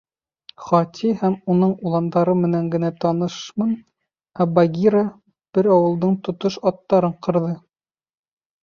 Хати һәм уның уландары менән генә танышмын, ә Багира бер ауылдың тотош аттарын ҡырҙы.